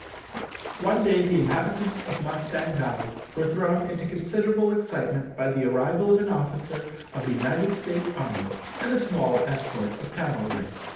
One day the inhabitants of Mustang Valley were thrown into considerable excitement by the arrival of an officer of the United States army and a small escort of cavalry.